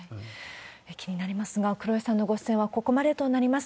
気になりますが、黒井さんのご出演はここまでとなります。